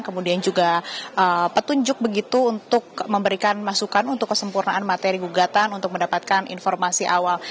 kemudian juga petunjuk begitu untuk memberikan masukan untuk kesempurnaan materi gugatan untuk mendapatkan informasi awal